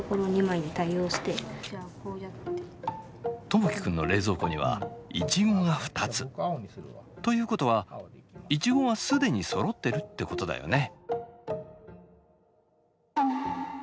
友輝くんの冷蔵庫にはイチゴが２つ。ということはイチゴは既にそろってるってことだよね。